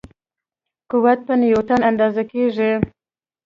قوت په نیوټن اندازه کېږي.